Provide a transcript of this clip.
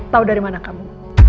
tau dari mana kamu